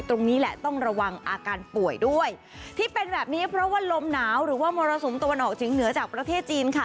ตรงนี้แหละต้องระวังอาการป่วยด้วยที่เป็นแบบนี้เพราะว่าลมหนาวหรือว่ามรสุมตะวันออกเฉียงเหนือจากประเทศจีนค่ะ